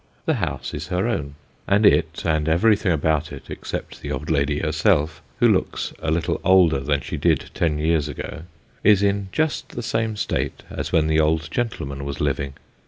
The house is her own ; and it, and everything about it, except the old lady herself, who looks a little older than she did ten years ago, is in just the same state as when the old gentleman was living.